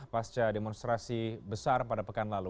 pasca demonstrasi besar pada pekan lalu